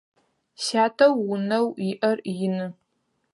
Сятэ унэу иӏэр ины.